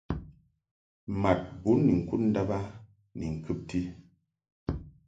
Mad bun ni ŋkud ndàb a ni ŋkɨbti.